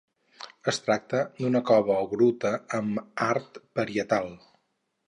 Es tracta d'una cova o gruta amb art parietal.